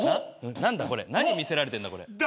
何見せられてんだこれ。